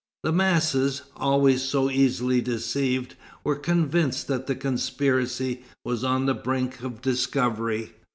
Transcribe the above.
The masses, always so easily deceived, were convinced that the conspiracy was on the brink of discovery.